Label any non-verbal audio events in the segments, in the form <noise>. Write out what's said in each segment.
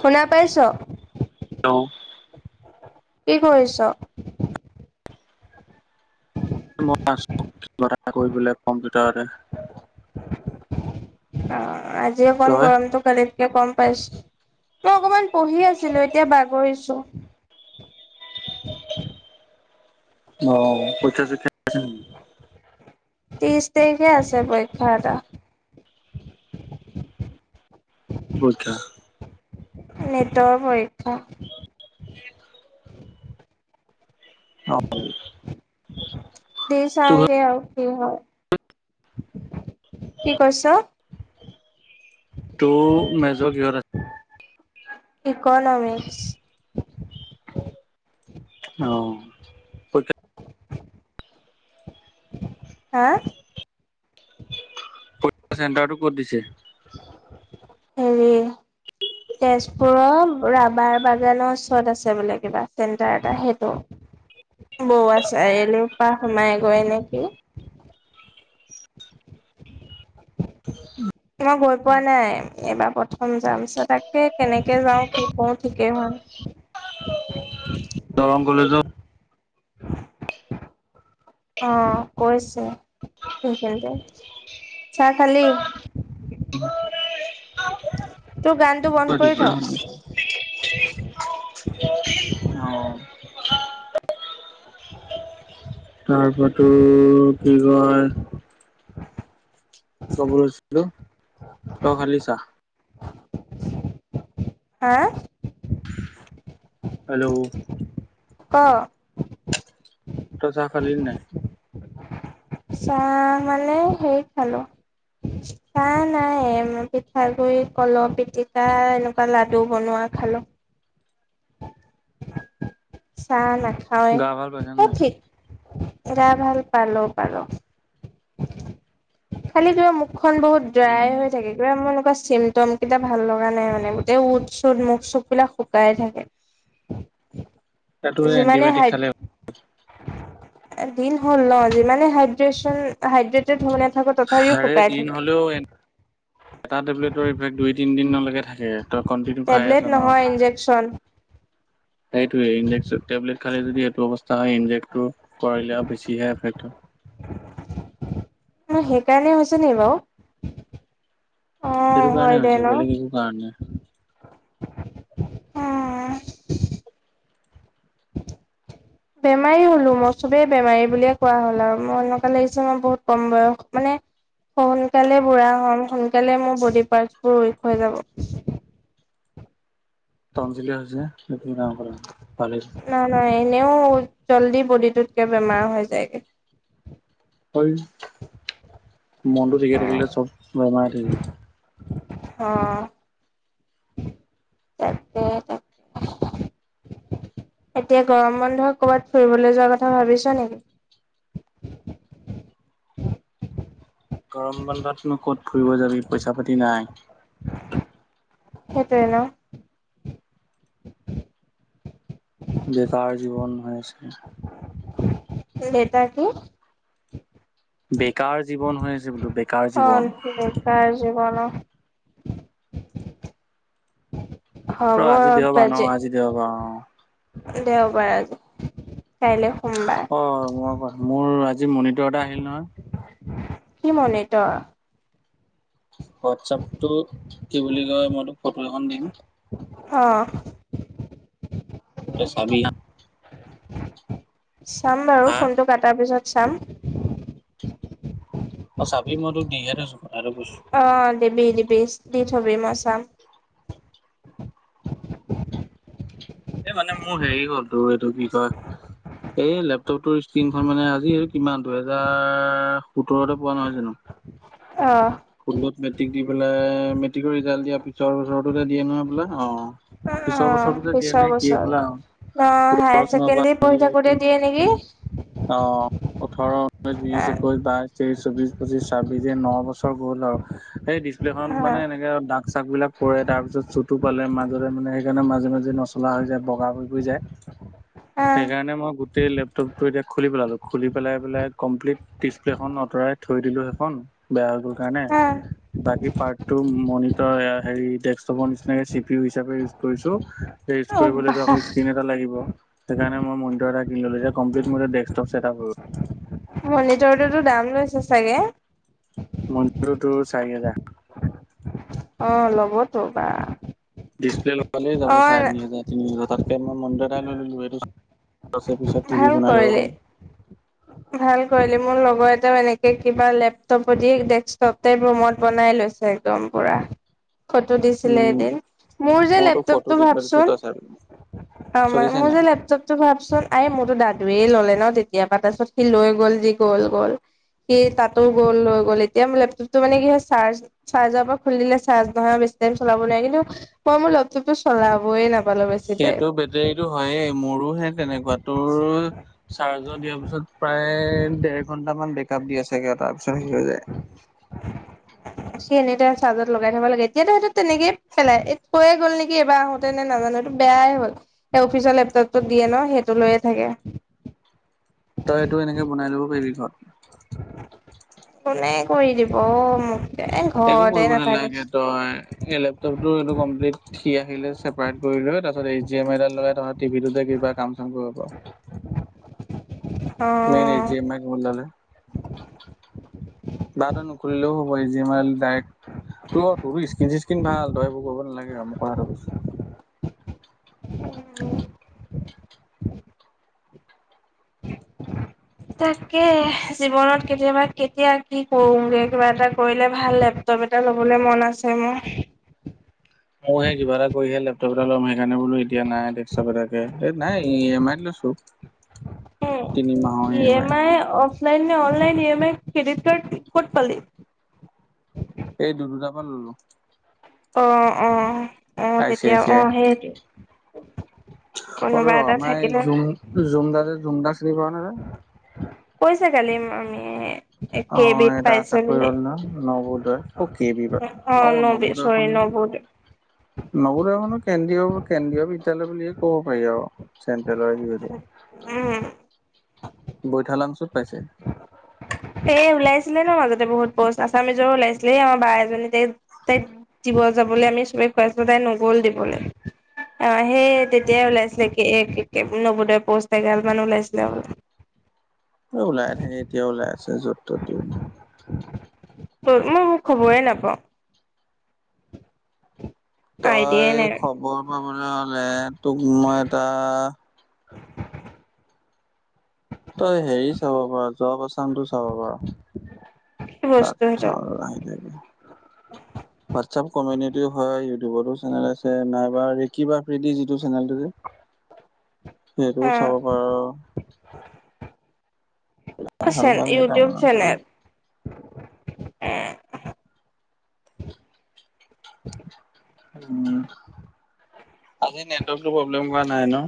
শুনা পাইছ'? <unintelligible> কি কৰিছ? মই আছো কিবা এটা কৰি পেলাই কম্পিউটাৰতে। অ' আজি অকন তই? গৰমটো কালিতকে কম পাইছো মই অকমান পঢ়ি আছিলো এতিয়া বাগৰিছো। অহ পৰীক্ষা চৰিক্ষ্যা আছে নি। ত্ৰিশ তাৰখে আছে পৰীক্ষা এটা। কি পৰীক্ষা? নীতৰ পৰীক্ষা। দি তোৰ চামগে আৰু কি হয় কি কৈছ? তোৰ মেজৰ কিহত আ ইক'নমিক্স। অ'। পৰীক্ষা হা? পৰীক্ষা চেণ্টাৰটো ক'ত দিছে? হেৰী, তে তেজপুৰৰ ৰাবাৰ বাগানৰ ওচৰত আছে বোলে কিবা চেণ্টাৰ এটা সেইটো। বৰুৱা চাৰিআলিৰ পৰা সোমাই গৈয়ে নেকি। মই গৈ পোৱা নাই এইবাৰ প্ৰথম যাম চৌ তাকে কেনেকে যাওঁ কি কৰো ঠিকেই হোৱা <unintelligible> দৰং কলেজ <unintelligible> অহ কৈছে সেইখিনিতে। চাহ খালি? <unintelligible> তোৰ গানটো বন্ধ কৰি থ। অ। তাৰপৰা তোৰ কি <unintelligible> <unintelligible> ক'ব লৈছিলোঁ, তই খালি চাহ? হা? হেল্ল'। ক'। তই চাহ খালি নাই? চাহ মানে হেৰী খালো। চাহ নাই পিঠাগুৰি, কলৰ পিতিকা এনেকুৱা লাডু বনোৱা খালো। চাহ নাখাওঁয়ে। গা ভাল পাইছা নে অ' নাই? ঠিক গা ভাল পালো পালো, খালি কিবা মুখ খন বহুত ড্ৰাই হৈ থাকে কিবা মোৰ এনেকুৱা চিম্পতম কেইটা ভাল লগা নাই মানে গোটেই ওঁঠ-চোঠ মুখ-চুখবিলাক শুকাই থাকে। <unintelligible> তাতো সেই যিমানে এণ্টিবায়টিক হাই খালে দিন হ'ল ন যিমানে হাইড্ৰেচন হাইড্ৰেটেড হ থাকো তথাপিও আৰে শুকাই দিন থাকে। হ'লেও এটা টেবলেটৰ ইফেক্ট দুই তিনিদিনলৈকে থাকে, তই কণ্টিনিউ খাই টেবলেট আছ ন। নহয় ইনজেকচন সেইটোয়ে ইনজে, টেবলেট খালে যদি এইটো অৱস্থা হয় ইনজেকটো। কৰিলে আৰু বেছিহে এফেক্ট হব। অ' সেইকাৰণে হৈছে নি বাউ? এইটো কাৰণে হৈছে, বেলেগ একো কাৰণ নাই। <unintelligible> বেমাৰি হ'লো মই, চবেই বেমাই বুলিয়ে কোৱা হ'ল আৰু, মোৰ এনেকুৱা লাগিছে মই বহুত কম বয়সত মানে সোনকালে বুৰা হ'ম, সোনকালে মোৰ বডী পাৰ্টছ বোৰ উইক হৈ যাব। তন্ছিলহে হৈছে, একো ডাঙ কথা নহয়। নহয় নই, এনেও জল্দি বডিটোতকে বেমাৰ হৈ যায়গে। থৈ, মনটো ঠিকে থাকিলে চব বেমাৰ থিক হৈ যায়। <unintelligible> অ', অ'। তাকে তাকে <unintelligible> এতিয়া গৰম বন্ধ, ক'বাত ফুৰিবলে যোৱা কথা ভাবিছা নেকি। গৰম বন্ধতনো ক'ত ফুৰিব যাবি, পইচা পাতি নাই। সেতোৱে ন। বেকাৰ জীৱন হৈ আছে। ডেটা কি? বেকাৰ জীৱন হৈ আছে বোলো বেক অ', বেকাৰ জীৱন অ'। ৰ আজি দেওবাৰ ন? বাজেট আজি দেওবাৰ অ'। দেওবাৰ আজি। কাইলৈ সোমবাৰ অ', মই কহ মোৰ আজি মনিটৰ এটা আহিল নহয়। কি মনিটৰ? হোৱাটছঅপটো কি বুলি কয়, মইতোক ফটো এখন দিম। অ'। তই চাবি হা। চাম বাৰু, হা ফোনটো কাটাৰ পিছত চাম। অ', চাবি, মই তোক দিহে থৈছো। কথাটো কৈছো অ', দিবি দিবি, দি থবি মই চাম। এ মানে মোৰ হেৰি হ'ল, তোৰ এইটো কি কয় এই লেপটপটোৰ স্ক্ৰিণখন মানে আজি আৰু কিমান দুহেজাৰ সোতৰতে পোৱা নহয় জানো। অ'। ষোল্লত মেটিক দি পেলাই মেটিকৰ ৰিজাল্ট দিয়া পিছৰ বছৰটোতো দিয়ে নহয় হ'বলা অ'। অ পিছৰ বছৰটোতে দিয়ে পিছৰ নে কি বছৰ হ'বলা অ হায়াৰ <unintelligible> ছেকেণ্ডৰী পঢ়ি থাকোতে দিয়ে নেকি অ', ওঠৰ, ঊনৈশ, অ বিশ, একৈশ, বাইশ, তেইশ চৌবিশ পঁচিশ ছাব্বিশ এই ন' বছৰ গ'ল আওঁ, সেই ডিচপ্লেখন অ মানে এনেকে দাগ চাক বিলাক পৰে তাৰ পিছত চুটো পালে মাজতে মা সেইকাৰণে মাজে মাজে নচলা হৈ যায়, বগা পৰি পৰি যায়। অ সেইকাৰণে মই গোটেই লেপটপটো এতিয়া খুলি পেলালো, খুলি পেলাই বোলে কমপ্লিট ডিচপ্লেখন অতৰাই থৈ দিলো সেইখন, বেয়া হৈ গ'ল কাৰণে। অ বাকী পাৰ্টটো মনিটৰ এ হেৰি ডেকচটপৰ নিচিনাকে চি পি ইউ হিচাপে ইউচ কৰিছো। ইউচ অ কৰিবলে তাপা বাহ স্ক্ৰিন এটা লাগিব। সেইকাৰণে মই মনিটৰ এটা কিনি ল'লো, এতিয়া কমপ্লিট মো এতিয়া ডেকচটপ চেতআপ হৈ গ'ল। মনিটৰটোতো দাম লৈছে চাগে? মনিটৰটো চাৰি হোজাৰ। অ', ল'বতো বা। ডিচপ্লে লগালেই যাব অ চাৰে তিনি হাজাৰ তিনি হাজাৰ, তাতকে মই মনিটৰ এটাই লৈ ল'লো এইটো ভাল কৰিলি ভাল কৰিলি, মোৰ লগ লগৰ এটাও এনেকে কিবা লেপটপেদি ডেস্কটপ তাইপ ৰুমত বনাই লৈছে একদম পুৰা। ফটো দিছিলে উম এদিন, মোৰ যে মই তোক ফটো লেপটপটো দি থৈ দিছোঁ ভাবচোন তই চাবি আমা চলিছে মোৰ নাই যে লেপটপ টো ভাবচোন। এই মোৰতো দাদুৱে ল'লে ন' তেতিয়াপা, তাপিছত সি লৈ গ'ল যি গ'ল গ'ল। সি তাতো গ'ল লৈ গ'ল, এতিয়া মো লেপটপটো মানে কি হয়, চাৰ্জ চাৰ্জাপা খুলি দিলে চাৰ্জ নহয় বেছি বেটেৰী চলাবলৈ আনিলো মই মোৰ লেপটপটো চলাবয়ে নাপ সেইটো বেটেৰীটো হৈয়ে মোৰো হে তেনেকুৱাতো <inaudible> চাৰ্জত দিয়াৰ পিছত প্ৰায় দেৰ ঘন্টামান বেকআপ দিয়ে চাগে তাৰ পিছত হেৰি হৈ যায়। <inaudible> সি এনি টাইম চাৰ্জত লগাই থ'ব লাগে এতিয়াটো সেইটো তেনেকয়ে পেলাই এই থৈয়ে গ'ল নেকি এইবাৰ আহোতে নে নাজানো। বেয়াই হ'ল সেই অফিচৰ লেপটপটো দিয়ে ন' সেইটো লৈয়ে থাকে। তই এইটো এনেকে বনাই ল'ব পাৰিবি ঘৰত কোনে কৰি দিব অ', মোক। এ একো ঘৰতে কৰিব নাথাকো নালাগে তই এই লেপটপটো এইটো কমপ্লিট সি আহিলে চেপাৰেট কৰি লৈ তাৰ পিছত এই জি এম আই এডাল লগাই তহঁত টিভিটোতে কিবা কাম চাম কৰিব পাৰো। মেইন এই অ জি এম আই ৰ মূৰ ডালে, বা তই নখুলিলেও কৰিব পাৰি জি এম আইল দাইক তোৰ তোৰো স্কিন চিস্কিন ভাল তই এইবোৰ কৰিব নালাগে আৰু মই কথাতো কৈছো। হম। তাকে জীৱনত কেতিয়াবা কেতিয়া কি কৰোগে কিবা এটা কৰিলে ভাল লেপটপ এটা ল'বলৈ মন আছে মোৰ। অ হে কিবা এটা কৰিহে লেপটপ এটা ল'ম হে। সেইকাৰণে বোলো এতিয়া নাই ডেস্কটপ এটাকে এই নাই ই এম আইত লৈছো। তিনি মাহৰ ই এম আই। অ'ফলাই নে online E M I credit card ক'ত পালি? এই দু দুটাৰ পৰা ল'লো। অ অহ অহ আই চি আই তেতিয়া চি আই অহ সেইটো। অ ৰ' আমাৰ এই জুম জুমদা যে জুমদা চিনি পাওঁ নে তই? কৈছে কালি মামিয়ে। এহ অ কে বি'ত এটা পাইছে চাকৰি বুলি, হ'ল নহয় নৱোদয় অ কে বি বা অ নবি চৰি নব ৱোদয়। নৱোদয় মানে কেন্দ্ৰীয় কেন্দ্ৰীয় বিদ্যালয় বুলিয়ে ক'ব পাৰি আৰু চেণ্ট্ৰেলৰ যিহেতু। উম। বৈথালাংছ'ত। এই ওলাইছি ছিলে ন মাজতে বহুত প'ষ্ট আছামীজৰো ওলাইছিলে এই আমাৰ বা এজনী যে তাইক দিব যাবলৈ আমি চবে কৈ আছিলো তাই নগ'ল দিবলে। অ সেই তেতিয়াই ওলাইছিলে কে একে নৱোদয়ৰ প'ষ্ট এগাল মান ওলাইছিলে বোলে। <inaudible> এহ ওলাই থাকে এতিয়া ওলাই আছে য'ত ত'ত। মই মোক খবৰে নাপাওঁ। তই আইডিয়াই নাই খবৰ পাবলৈ হ'লে তোক মই এটা <inaudible> তই হেৰি চাব পাৰো জব আসামটো চাব পাৰ। কি তাত বস্তু সেইটো চাব পাৰা হোৱাটছএপ কমিউনি তিও হয় ইউটিউবতো চেনেল আছে নাইবা ৰেকিব আফ্ৰেডী যিটো চেনেলটো যে। হা সেইটোও চাব পাৰ। অ ভাল চেন ভাল ইউটিউব কেইটামান আছে। চেনেল উম আজি নেটৱৰ্কটো প্ৰব্লেম কৰা নাই ন।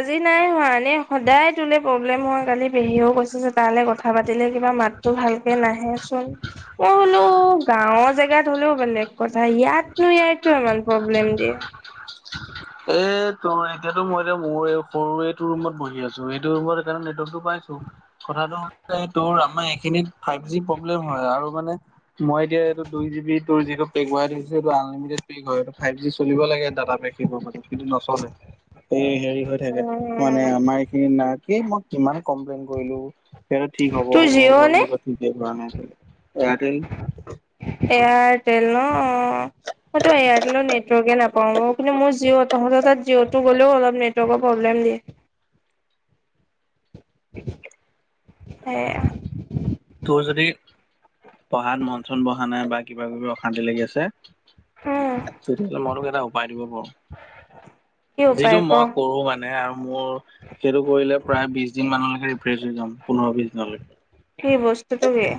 আজি নাই হোৱা এনে সদায় তোলে প্ৰব্লেম হয় কালি পেহীও কৈছে তালৈ কথা পাতিলে কিবা মাত টো ভালকে নাহে চোন মই বোলো লো গাঁওৰ জেগাত হ'লেও বেলেগ কথা ইয়াতনো এয়াই কিয় ইমান প্ৰব্লেম দিয়ে। <inaudible> এই তুমি এতিয়াতো মই এতিয়া মোৰ সৰুটো ৰুমত বহি আছো এইটো ৰুমত সেইকাৰণে নেটৱৰ্কটো পাইছো কথাটো হ'ল এই তোৰ আমাৰ এইখিনিত ফাইভ জি প্ৰব্লেম হয় আৰু মানে মই এতিয়া এইটো দুই জি বি তোৰ যিটো পেকাইছে এইটো আনলিমিটে পে' হয় ফাইভ জি চলিব লাগে ডাটা পেক। থ প কিন্তু নচলে এই হেৰি হৈ থাকে মানে উম আমাৰ এইখিনি নাই এই মই কিমান কমপ্লেইন কৰিলো সেই ঠিক হ'ব তোৰ হ'ব হ'ব জিঅ' নে বুলি কৈ দিয় কৰা নাই আজিলে। এয়াৰটেল ন। হয়ই এয়াৰটেলৰ নেটৱৰ্কে নাপাও অ এপিনে মোৰ জিঅ' তহঁত তাত জিঅতো গ'লেও অলপ নেটৱৰ্কৰ প্ৰব্লেম দিয়ে। তোৰ যদি পঢ়াত মন চন বহা নাই বা কিবা কিবি অশান্তি লাগি আছে। উম তেতিয়াহলে মই তোক এটা উপায় দিব পাৰো। কি যিটো উপায় ক মই কৰো মানে আৰু। মোৰ সেইটো কৰিলে প্ৰায় বিশ দিন মানলৈকে ৰিফ্ৰেজ হৈ যাম পোন্ধৰ বিশ দিনলৈকে। সেই বস্তুটোক কি?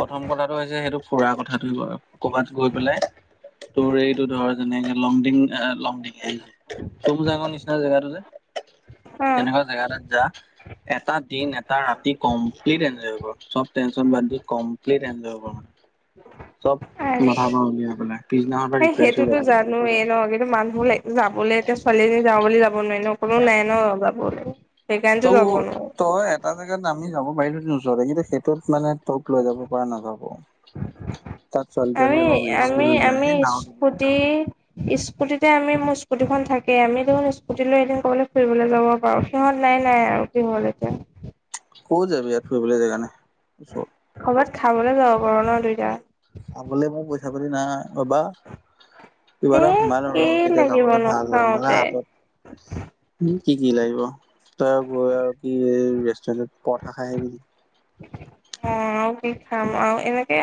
প্ৰথম কথাটো হৈছে সেইটো ফুৰাৰ কথাটোে বাৰু ক'বাত গৈ পেলাই তোৰ এইটো ধৰ যেনেক লংডিং এ এ লংডিং টুং যাঙৰ নিচিনা জেগাটো যে, অ তেনেকুৱা জেগা এটাত যা এটা দিন, এটা ৰাতি কমপ্লিট এনজয় কৰ। চব টেনচন বাদ দি কমপ্লিট এনজয় মানে চব আৰে মাথাৰ পৰা উলিয়াই পেলাই। পিছদিনাৰ পৰা সেই ৰিফ্ৰেছ হৈ সেইটোতো যাব তোৰ। জানোৱেই ন কিন্তু মানুহ লা, যাবলে এতিয়া ছোৱালীজনী যাওঁ বুলি যাব নোৱাৰি ন', কোনো নাই ন' যাবলে ত', তই এটা জেগাত নাম- মি যাব পাৰিলো হেঁতেন ওচৰতে কিন্তু সেইটোত মানে তোক লৈ যাব পৰা নাযাব। তাত ছোৱালী তোৱালী আৰে! অলপ ৰিস্কি আমি হৈ যায় আমি এই নাও স্কুটি স্কুটিতে আমি মোৰ স্কুটীখন থাকে আমি দেখোন স্কুটি লৈ এদিন কবালৈ ফুৰিবলৈ যাব পাৰোঁ সিহঁত নাই নাই নাই আৰু কি হল এতিয়া ক' যাবি ইয়াত ফুৰিবলে জেগা নাই। কবাত খাবলৈ যাওঁ খাবলে মোৰ পইচা পাতি নাই বাবা কিবা এ এটা সোমাইলওঁ ৰ' কি আৰু তেতিয়া লাগিব যাবলে ভাল হয় নহলে নোখাওতে হাতত উম, কি কি লাগিব তই আৰু গৈ আৰু কি এই ৰেষ্টুৰেণ্টত পৰঠা খাই আহিবি নেকি? অ আৰু কি খাম আৰু এনেকে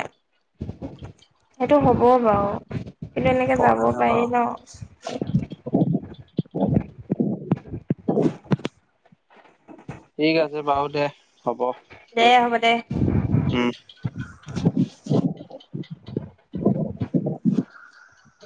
সেইটো হ'ব বাৰু কিন্তু এনেকে যাব পৰঠা পাৰি নাপাৱ। ন' <unintelligible> ঠিক আছে বাৰু দে হ'ব। দে হ'ব দে। উম। <unintelligible>